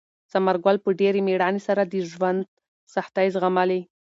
ثمر ګل په ډېرې مېړانې سره د ژوند سختۍ زغملې.